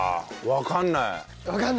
わかんない。